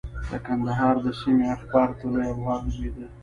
د کندهار د سیمې اخبار طلوع افغان نومېده.